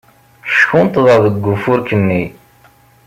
Ckunṭḍeɣ deg ufurk-nni.